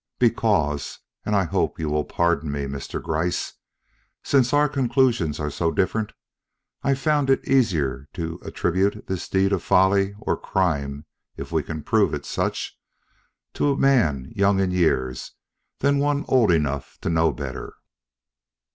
"Because and I hope you will pardon me, Mr. Gryce, since our conclusions are so different I found it easier to attribute this deed of folly or crime, if we can prove it such to a man young in years than to one old enough to know better."